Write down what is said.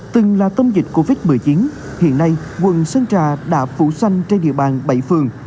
từng là tâm dịch covid một mươi chín hiện nay quận sơn trà đã phủ xanh trên địa bàn bảy phường